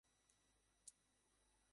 গাড়িতে একটা আছে।